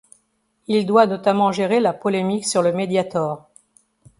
Il doit notamment gérer la polémique sur le Mediator.